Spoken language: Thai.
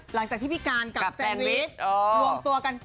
หลังจากที่พี่การกับแซนวิชรวมตัวกัน